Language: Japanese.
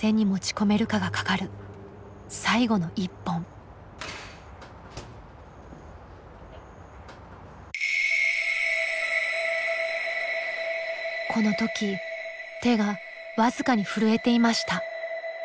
この時手が僅かに震えていました。